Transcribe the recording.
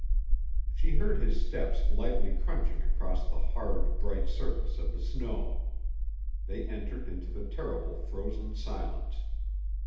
She heard his steps lightly crunching across the hard, bright surface of the snow, they entered into the terrible frozen silence.